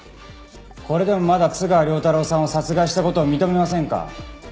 これでもまだ津川亮太郎さんを殺害した事を認めませんか？